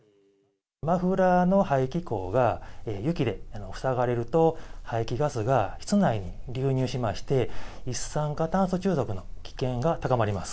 マフラーの排気口が雪で塞がれると、排気ガスが室内に流入しまして、一酸化炭素中毒の危険が高まります。